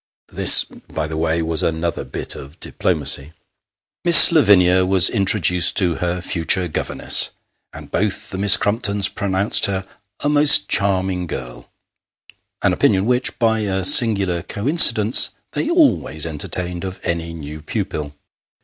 This, by the way, was another bit oi diplomacy. Miss Lavinia was introduced to her future governess, and both the Miss Crumptons pronounced her " a most charming girl ;" an opinion which, by a singular coincidence, they always entertained of any new pupil.